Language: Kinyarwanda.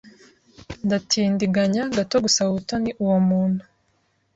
Ndatindiganya gato gusaba ubutoni uwo muntu.